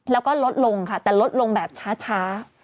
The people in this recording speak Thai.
แล้วก็ลดลงค่ะแต่ลดลงแบบช้า